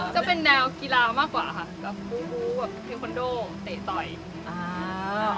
จะเป็นแนวกีฬามากกว่าแบบฮู้ฮู้พลีคอนโดเตะต่อย